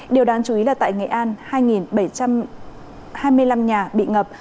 điều đáng chú ý là tại nghệ an hai bảy trăm hai mươi năm nhà bị ngập